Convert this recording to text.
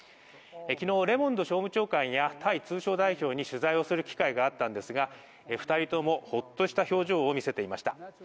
昨日、レモンド商務長官やタイ通商代表に取材をする機会があったんですが、２人ともホッとした表情を見せていました。